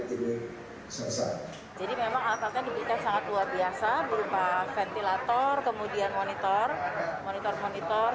jadi memang alat alatnya diberikan sangat luar biasa berupa ventilator kemudian monitor monitor monitor